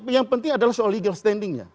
yang penting adalah soal legal standingnya